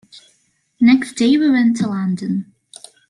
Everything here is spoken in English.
Next day we went to London.